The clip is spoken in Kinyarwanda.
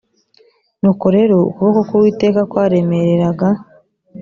nuko rero ukuboko k uwiteka kwaremereraga